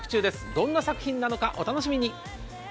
どんな作品なのかお楽しみに。